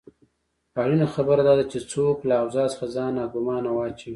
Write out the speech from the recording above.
اړینه خبره داده چې څوک له اوضاع څخه ځان ناګومانه واچوي.